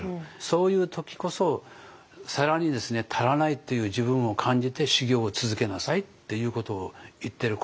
そういう時こそ更に足らないという自分を感じて修業を続けなさいっていうことを言ってる。